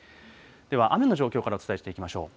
では、雨の状況からお伝えしていきましょう。